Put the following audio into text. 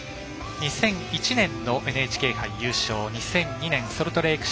２００１年のＮＨＫ杯優勝２００２年ソルトレーク